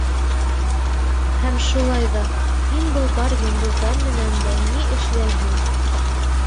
Һәм шулай ҙа, һин был бар йондоҙҙар менән дә ни эшләйһең?